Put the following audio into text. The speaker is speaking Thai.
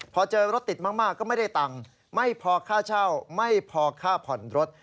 พอเจอรถติดมากก็ไม่ได้ตังค์ไม่พอค่าเช่าไม่พอค่าผ่อนรถ